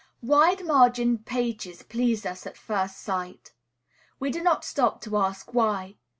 Wide margined pages please us at first sight. We do not stop to ask why.